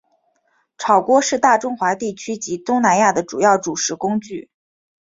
炒锅是大中华地区及东南亚的主要煮食工具。